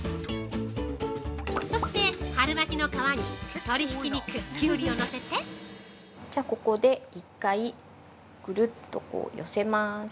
そして、春巻きの皮に鶏ひき肉、キュウリをのせて◆じゃあ、ここで１回ぐるっと寄せます。